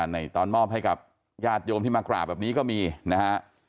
ในตอนมอบให้กับญาติโยมที่มากราบแบบนี้ก็มีนะฮะ